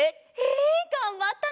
えがんばったね！